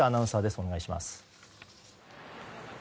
お願いします。